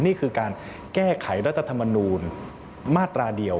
นี่คือการแก้ไขรัฐธรรมนูลมาตราเดียว